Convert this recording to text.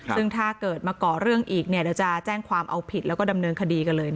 ซึ่งถ้าเกิดมาก่อเรื่องอีกเดี๋ยวจะแจ้งความเอาผิดแล้วก็ดำเนินคดีกันเลย